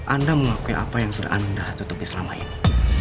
anda mengakui apa yang sudah anda tutupi selama ini